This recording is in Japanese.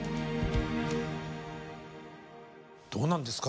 どうなんですか？